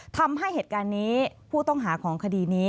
ทำให้เหตุการณ์นี้ผู้ต้องหาของคดีนี้